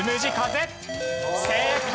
正解。